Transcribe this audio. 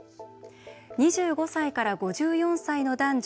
２５歳から５４歳の男女